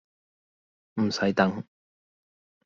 唔洗等